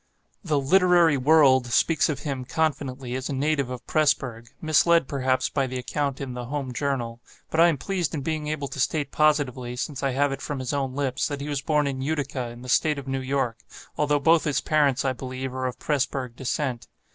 "The Literary World" speaks of him, confidently, as a native of Presburg (misled, perhaps, by the account in "The Home Journal") but I am pleased in being able to state positively, since I have it from his own lips, that he was born in Utica, in the State of New York, although both his parents, I believe, are of Presburg descent.